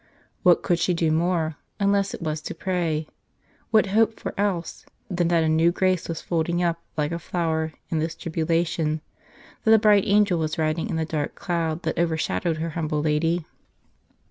Wliat could she do more, unless it was to pray ? What hope for else, than that ®1, CI a new grace was folded up, like a flower, in this tribulation ; that a bright angel was riding in the dark cloud that over shadowed her humbled lady